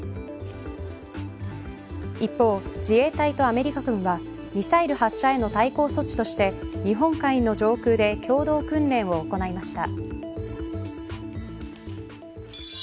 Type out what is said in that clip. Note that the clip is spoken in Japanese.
一方、自衛隊とアメリカ軍はミサイル発射への対抗措置として日本海の上空で共同訓練を行いました。